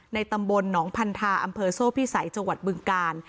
ในตำบลหนองพันธาอำเภอโซ่พี่สัยจบึงกาล